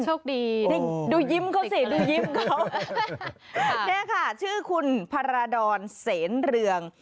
โชคดีดูยิ้มเขาสิดูยิ้มเขาเนี่ยค่ะชื่อคุณพาราดรเสนเรือง